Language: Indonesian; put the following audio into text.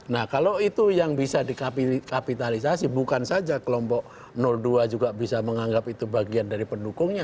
nah kalau itu yang bisa dikapitalisasi bukan saja kelompok dua juga bisa menganggap itu bagian dari pendukungnya